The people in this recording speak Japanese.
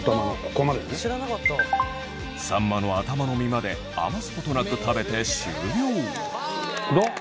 さんまの頭の身まで余すことなく食べて終了。